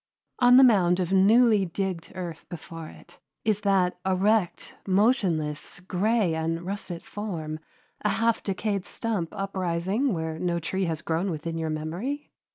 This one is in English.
On the mound of newly digged earth before it, is that erect, motionless, gray and russet form a half decayed stump uprising where no tree has grown within your memory?